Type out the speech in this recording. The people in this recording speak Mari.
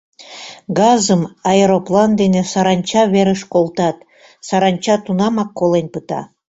Газым аэроплан дене саранча верыш колтат, саранча тунамак колен пыта.